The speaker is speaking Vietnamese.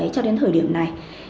cho đến thời điểm này